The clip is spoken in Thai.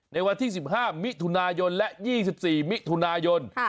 ในวันที่สิบห้ามิถุนายนและยี่สิบสี่มิถุนายนค่ะ